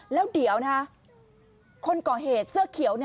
แล้วเดี๋ยวนะคนก่อเหตุเสื้อเขียว